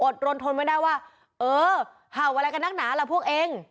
รนทนไม่ได้ว่าเออเห่าอะไรกันนักหนาล่ะพวกเอง